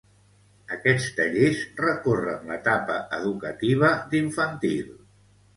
Aquests tallers recorren l'etapa educativa d'infantil.